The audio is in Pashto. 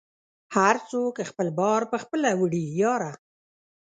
هر څوک خپل بار په خپله وړی یاره